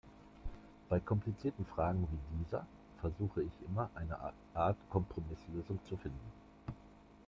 Bei komplizierten Fragen wie dieser versuche ich immer, eine Art Kompromisslösung zu finden.